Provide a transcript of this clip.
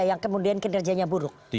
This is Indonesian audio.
yang kemudian kinerjanya buruk